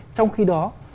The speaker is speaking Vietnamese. trong khi đó